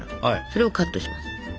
それをカットします。